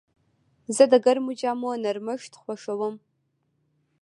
زه د ګرمو جامو نرمښت خوښوم.